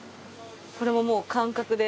これももう感覚で？